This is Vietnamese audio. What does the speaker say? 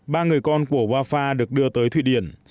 ba người con của rafah được đưa tới thụy điển